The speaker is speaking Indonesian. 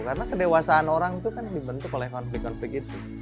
karena kedewasaan orang itu kan dibentuk oleh konflik konflik itu